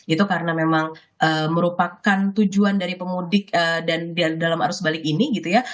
itu karena memang merupakan tujuan dari pemudik dan dalam arus balik ini gitu ya